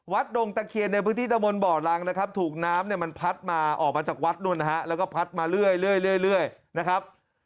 ดงตะเคียนในพื้นที่ตะมนต์บ่อรังนะครับถูกน้ำเนี่ยมันพัดมาออกมาจากวัดนู่นนะฮะแล้วก็พัดมาเรื่อยนะครับ